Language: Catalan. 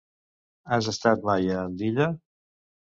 Has estat mai a Andilla?